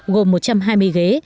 gồm một trăm hai mươi ghế